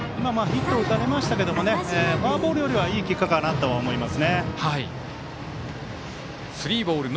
ヒット打たれましたけどフォアボールよりはいい結果かなと思います。